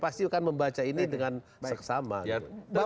pasti akan membaca ini dengan seksama gitu